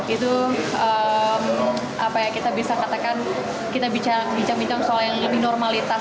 itu apa ya kita bisa katakan kita bincang bincang soal yang lebih normalitas